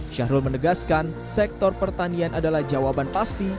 syahrul menegaskan sektor pertanian adalah jawaban pasti